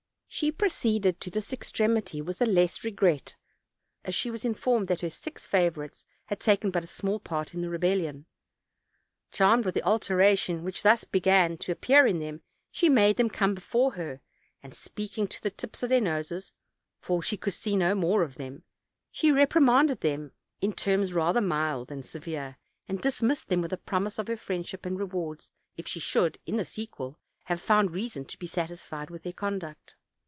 She proceeded to this extremity with the less regret, as she was informed that her six favorites had taken but a small part in the rebellion. Charmed with the alteration which thus began to appear in them, she made them come before her, and, speaking to the tips of their noses (for she could see no more of them), she reprimanded them, in terms rather mild than severe, and dismissed them with a promise of her friend ship and rewards, if she should, in the sequel, have reason to be satisfied with their conduct.